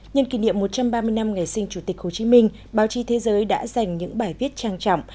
nhân kỷ niệm một trăm ba mươi năm ngày sinh chủ tịch hồ chí minh báo chí thế giới đã dành những bài viết trang trọng